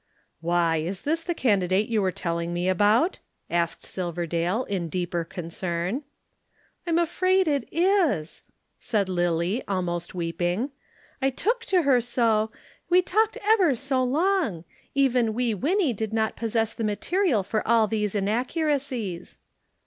"Why, is this the candidate you were telling me about?" asked Silverdale in deeper concern. "I am afraid it is!" said Lillie, almost weeping. "I took to her so, we talked ever so long. Even Wee Winnie did not possess the material for all these inaccuracies."